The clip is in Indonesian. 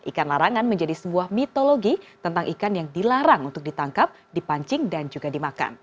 ikan larangan menjadi sebuah mitologi tentang ikan yang dilarang untuk ditangkap dipancing dan juga dimakan